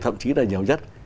thậm chí là nhiều nhất